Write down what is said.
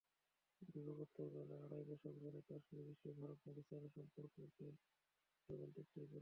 বিভাগোত্তরকালে আড়াই দশক ধরে কাশ্মীর ইস্যু ভারত-পাকিস্তানের সম্পর্ককে কেবল তিক্তই করেছে।